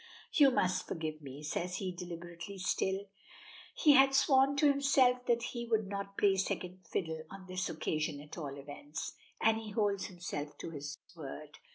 "You must forgive me," says he, deliberately still. He had sworn to himself that he would not play second fiddle on this occasion at all events, and he holds himself to his word.